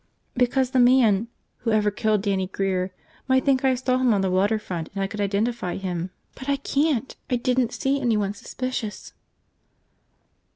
"Because the man – whoever killed Dannie Grear – might think I saw him on the water front and I could identify him. But I can't! I didn't see anyone suspicious!"